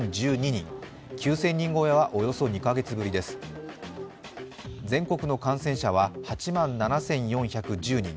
９０００人超えはおよそ２カ月ぶりです全国の感染者は８万７４１０人。